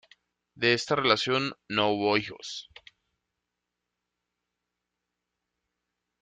De esta relación no hubo hijos.